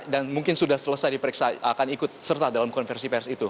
dan mungkin sudah selesai diperiksa akan ikut serta dalam konversi pers itu